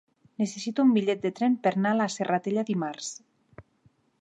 Necessito un bitllet de tren per anar a la Serratella dimarts.